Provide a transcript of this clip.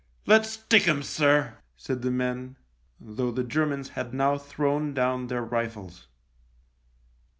" Let's stick 'em, sir," said the men, though the Germans had now thrown down their rifles.